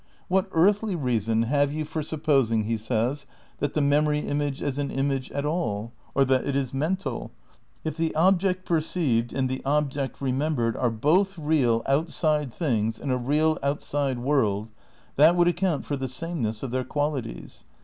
What earthly reason have you for supposing, he says, that the memory image is an image at all? Or that it is mental? If the object perceived and the object remembered are both real outside things in a real outside world, that would account for the sameness of their qualities.